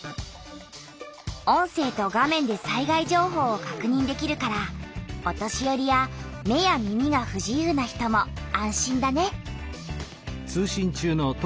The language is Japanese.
音声と画面で災害情報をかくにんできるからお年よりや目や耳がふ自由な人も安心だね。